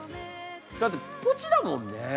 だってポチだもんね。